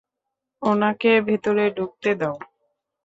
উনাকে ভেতরে ঢুকতে দাও!